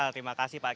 terima kasih pak